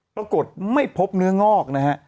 ปรากฏไม่พบเนื้องอกนะฮะ